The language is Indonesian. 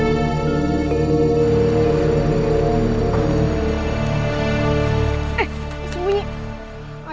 jangan lupa untuk berlangganan